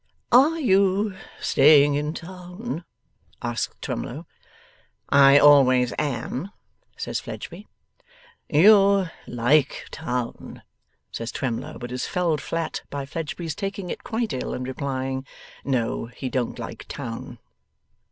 'Are you staying in town?' asks Twemlow. 'I always am,' says Fledgeby. 'You like town,' says Twemlow. But is felled flat by Fledgeby's taking it quite ill, and replying, No, he don't like town.